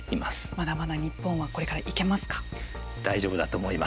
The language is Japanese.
まだまだ日本はこれからいけますか？